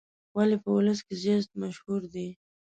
ولې په ولس کې زیات مشهور دی.